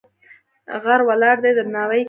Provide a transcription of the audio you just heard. غر ولاړ دی درناوی کې.